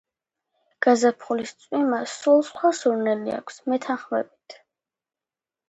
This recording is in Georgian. გაზაფხულის წვიმას სულ სხვა სურნელი აქვს , მეთანხმებით.